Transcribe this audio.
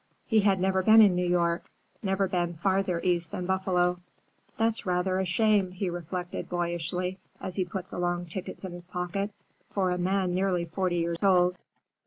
He had never been in New York, never been farther east than Buffalo. "That's rather a shame," he reflected boyishly as he put the long tickets in his pocket, "for a man nearly forty years old."